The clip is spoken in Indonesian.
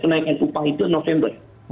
kenaikan upah itu november